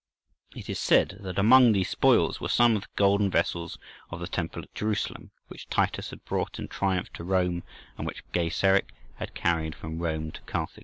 It is said that among these spoils were some of the golden vessels of the Temple at Jerusalem, which Titus had brought in triumph to Rome, and which Gaiseric had carried from Rome to Carthage.